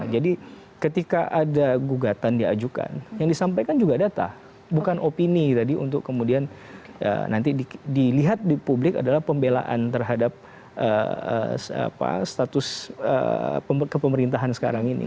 jadi ketika ada gugatan diajukan yang disampaikan juga data bukan opini tadi untuk kemudian nanti dilihat di publik adalah pembelaan terhadap status kepemerintahan sekarang ini